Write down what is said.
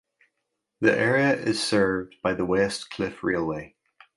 The area is served by the West Cliff Railway.